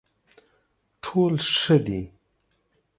ټول ښه دي.